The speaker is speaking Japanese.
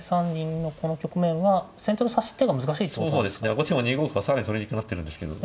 後手も２五歩は更に取りにくくなってるんですけど。